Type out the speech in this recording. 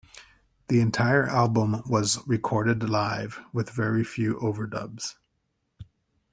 The entire album was recorded live with very few overdubs.